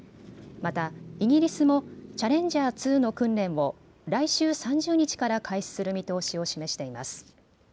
またイギリスもチャレンジャー２の訓練を来週３０日から開始する見通しを示しています。